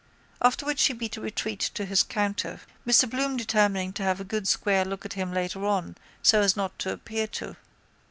After which he beat a retreat to his counter, Mr Bloom determining to have a good square look at him later on so as not to appear to.